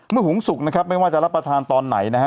หุงสุกนะครับไม่ว่าจะรับประทานตอนไหนนะฮะ